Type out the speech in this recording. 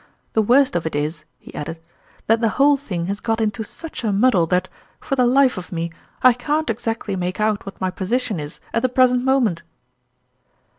The worst of it is," he added, " that the whole thing has got into such a muddle that, for the life of me, I can't exactly make out what my position is at the present moment